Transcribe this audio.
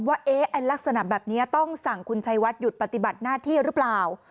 ว่าลักษณะแบบนี้ต้องสั่งคุณชัยวัดหยุดปฏิบัติหน้าที่หรือเปล่า